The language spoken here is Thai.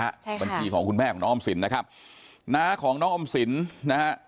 ใช่ค่ะบัญชีของคุณแม่ของน้องออมสินนะครับน้าของน้องออมสินนะฮะ